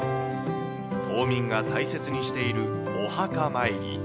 島民が大切にしているお墓参り。